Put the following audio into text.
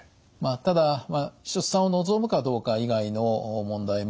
ただ出産を望むかどうか以外の問題もあります。